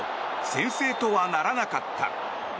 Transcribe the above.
先制とはならなかった。